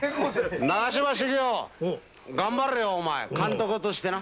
長嶋茂雄、頑張れよ、お前、監督してな。